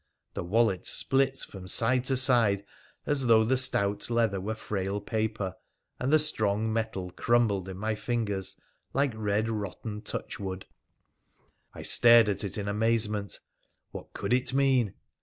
The wallet split from side to side as though the stout leather were ?S6 WONDEliFUL ADVENTURES OF frail paper, and the strong metal crumbled in my fingers like red, rotten touchwood. I stared at it in amazement. What could it mean